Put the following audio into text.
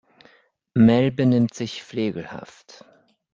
Mel benimmt sich flegelhaft.